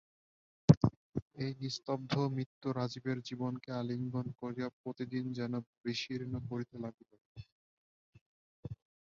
এই নিস্তব্ধ মৃত্যু রাজীবের জীবনকে আলিঙ্গন করিয়া প্রতিদিন যেন বিশীর্ণ করিতে লাগিল।